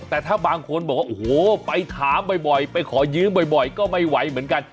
แต่ถ้าบางคนบอกว่าโอ้โหไปถามบ่อยไปขอยืมบ่อยก็ไม่ไหวเหมือนกัน